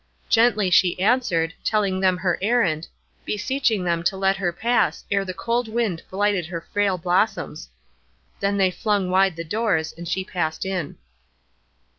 Gently she answered, telling them her errand, beseeching them to let her pass ere the cold wind blighted her frail blossoms. Then they flung wide the doors, and she passed in.